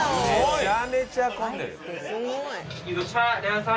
めちゃめちゃ混んでる。